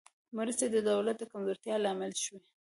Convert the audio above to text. مرستې د دولت د کمزورتیا لامل شوې.